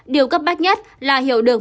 điều cấp bách nhất là hiểu được